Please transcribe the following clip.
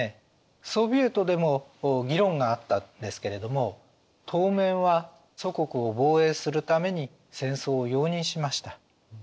ソヴィエトでも議論があったんですけれども当面は祖国を防衛するために戦争を容認しました。